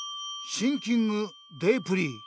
シンキングデープリー。